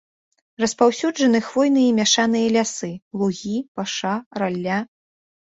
Распаўсюджаны хвойныя і мяшаныя лясы, лугі, паша, ралля.